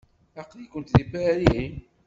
Aql-ikent deg Paris?